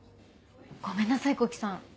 ごめんなさい洸稀さん